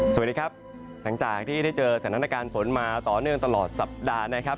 สวัสดีครับหลังจากที่ได้เจอสถานการณ์ฝนมาต่อเนื่องตลอดสัปดาห์นะครับ